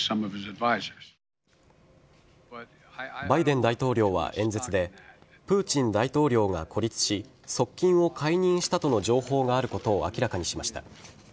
バイデン大統領は演説でプーチン大統領が孤立し側近を解任したとの情報があることを明らかにしました。